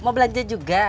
mau belanja juga